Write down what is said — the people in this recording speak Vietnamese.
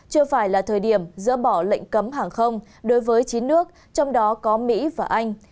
chưa phải là thời điểm dỡ bỏ lệnh cấm hàng không đối với chín nước trong đó có mỹ và anh